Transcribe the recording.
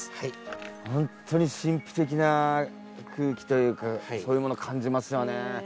ホントに神秘的な空気というかそういうもの感じますよね。